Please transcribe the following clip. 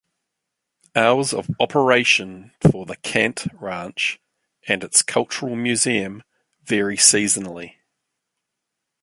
Hours of operation for the Cant Ranch and its cultural museum vary seasonally.